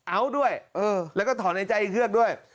เอาด้วยแล้วก็ถอนในใจเครื่องด้วย